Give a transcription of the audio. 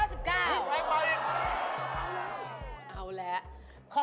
เฮ้ยเฮ้ยเฮ้ย